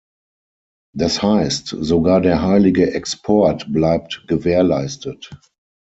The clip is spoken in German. Das heißt, sogar der heilige Export bleibt gewährleistet.